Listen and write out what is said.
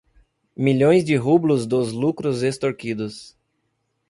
milhões de rublos dos lucros extorquidos